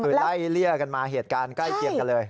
คือไล่เลี่ยกันมาเหตุการณ์ใกล้เคียงกันเลย